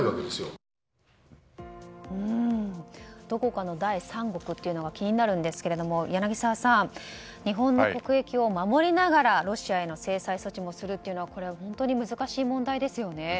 どこかの第三国というのが気になりますけども、柳澤さん日本の国益を守りながらロシアへの制裁措置もするというのは本当に難しい問題ですよね。